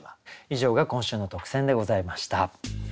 以上が今週の特選でございました。